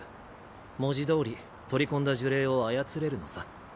文字どおり取り込んだ呪霊を操れるのさ。